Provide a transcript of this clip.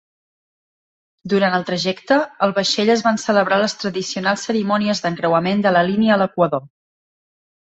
Durant el trajecte, al vaixell es van celebrar les tradicionals cerimònies d'encreuament de la línia a l'equador.